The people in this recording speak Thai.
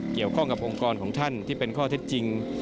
เกี่ยวข้องกับองค์กรของท่านที่เป็นข้อเท็จจริง